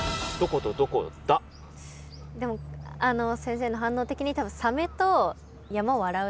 でも先生の反応的に多分そのとおり！